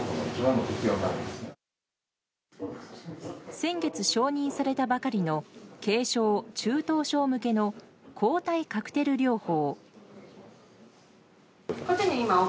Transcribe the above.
先月承認されたばかりの軽症・中等症向けの抗体カクテル療法。